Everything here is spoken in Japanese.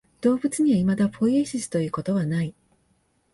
動物にはいまだポイエシスということはない。